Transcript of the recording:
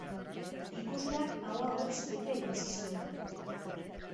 Ikusleak ahoa hortz bete utzi zuena.